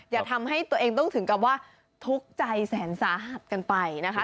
อย่าทำให้ตัวเองต้องถึงกับว่าทุกข์ใจแสนสาหัสกันไปนะคะ